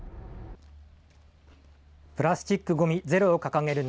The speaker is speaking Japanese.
プラスチックごみゼロを掲げる